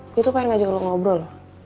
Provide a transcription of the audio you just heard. gue tuh pengen ngajak lo ngobrol